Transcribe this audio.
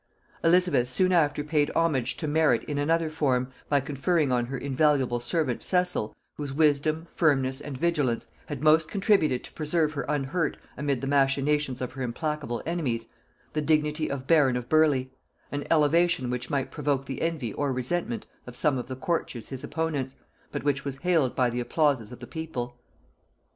Elizabeth soon after paid homage to merit in another form, by conferring on her invaluable servant Cecil, whose wisdom, firmness and vigilance had most contributed to preserve her unhurt amid the machinations of her implacable enemies, the dignity of baron of Burleigh; an elevation which might provoke the envy or resentment of some of the courtiers his opponents, but which was hailed by the applauses of the people.